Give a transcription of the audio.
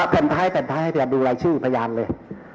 แผ่นท้ายให้พยานดูรายชื่อพยานเลย